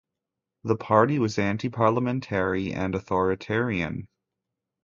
The party was anti-parliamentary and authoritarian.